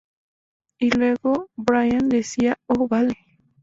Y luego Brian decía: "Oh, vale.